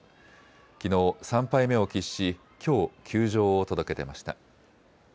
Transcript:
きのう３敗目を喫しきょう休場を届け出ました。